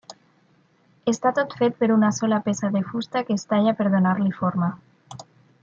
Està tot fet per una sola peça de fusta que es talla per donar-li forma.